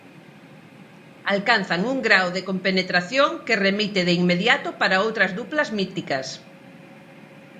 Alcanzan un grao de compenetración que remite de inmediato para outras duplas míticas.